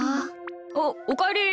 あっおかえり。